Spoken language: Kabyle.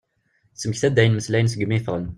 Tettmekta-d ayen mmeslayen segmi i iffɣen.